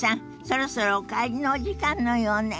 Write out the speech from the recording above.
そろそろお帰りのお時間のようね。